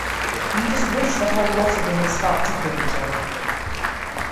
You just wish the whole lot of them would start tickling each other.